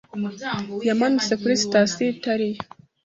yamanutse kuri sitasiyo itariyo.